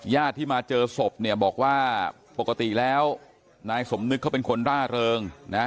ญาติที่มาเจอศพเนี่ยบอกว่าปกติแล้วนายสมนึกเขาเป็นคนร่าเริงนะฮะ